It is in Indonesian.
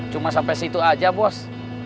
cuma sampai situ aja bos